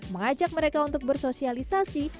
mengajak mereka untuk bersosialisasi